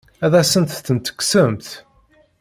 Ad asent-tent-tekksemt?